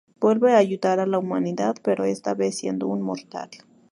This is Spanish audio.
Vuelve a ayudar a la Humanidad, pero esta vez siendo un mortal.